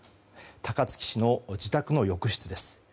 高槻市の自宅の浴室です。